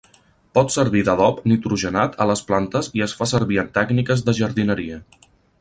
Pot servir d'adob nitrogenat a les plantes i es fa servir en tècniques de jardineria.